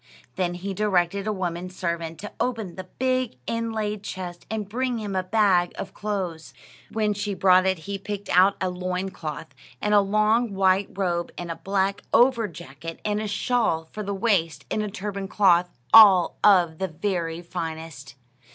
Then he directed a woman servant to open the big inlaid chest and bring him a bag of clothes. When she brought it he picked out a loin cloth, and a long white robe, and a black overjacket, and a shawl for the waist, and a turban cloth, all of the very finest.